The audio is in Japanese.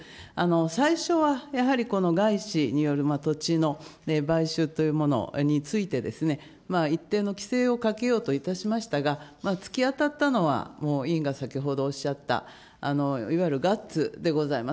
最初はやはりこの外資による土地の買収というものについてですね、一定の規制をかけようといたしましたが、突き当たったのは、もう委員が先ほどおっしゃった、いわゆるガッツでございます。